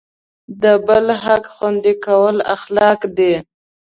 د بل حق خوندي کول اخلاق دی.